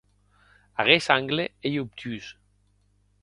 Aguest angle ei obtús.